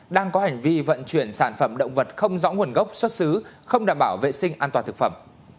đang có hành vi vận chuyển sản phẩm động vật không rõ nguồn gốc xuất xứ không đảm bảo vệ sinh an toàn thực phẩm